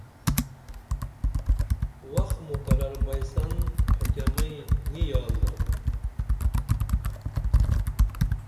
وخ مقرر بئیسن پھڇمیئں نی یال درو